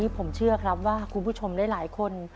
ผมเชื่อครับว่าคุณผู้ชมหลายคน